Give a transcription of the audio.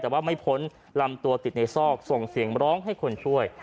แต่ว่าไม่พ้นลำตัวติดในซอกส่งเสียงร้องให้คนช่วย